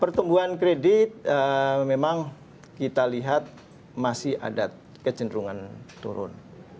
pertumbuhan kredit memang kita lihat masih ada kecenderungan turun